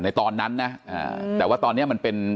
ตอนนั้นนะแต่ว่าตอนนี้มันเป็น